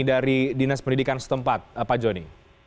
dari dinas pendidikan setempat pak joni